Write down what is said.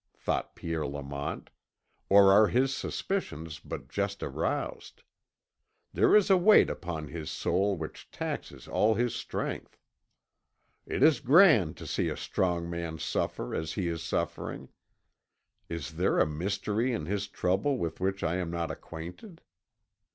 thought Pierre Lamont; "or are his suspicions but just aroused? There is a weight upon his soul which taxes all his strength. It is grand to see a strong man suffer as he is suffering. Is there a mystery in his trouble with which I am not acquainted?